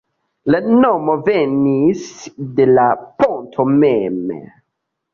La nomo venis de la ponto mem.